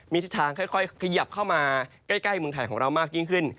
มีทิศทางค่อยขยับเข้ามาใกล้เมืองไทยของเรามากยิ่งขึ้น